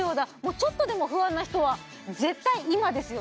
ちょっとでも不安な人は絶対今ですよね